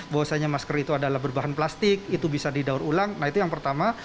bahwasanya masker itu adalah berbahan plastik itu bisa didaur ulang nah itu yang pertama